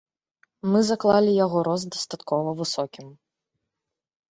Мы заклалі яго рост дастаткова высокім.